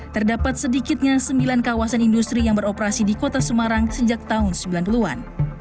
terdapat sedikitnya sembilan kawasan industri yang beroperasi di kota semarang sejak tahun sembilan puluh an